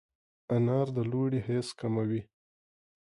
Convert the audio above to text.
انار د لوږې حس کموي.